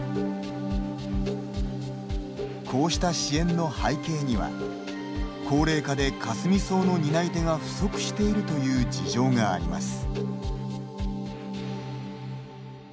こうした支援の背景には高齢化で、かすみ草の担い手が不足しているという事情があります。